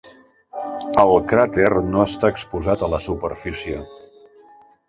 El cràter no està exposat a la superfície.